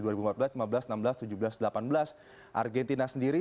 kita lihat argentina sendiri